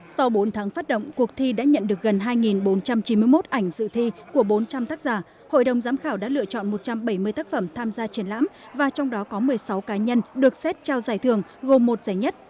sau bốn tháng phát động cuộc thi đã nhận được gần hai bốn trăm chín mươi một ảnh dự thi của bốn trăm linh tác giả hội đồng giám khảo đã lựa chọn một trăm bảy mươi tác phẩm tham gia triển lãm và trong đó có một mươi sáu cá nhân được xét trao giải thưởng gồm một giải nhất